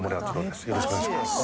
よろしくお願いします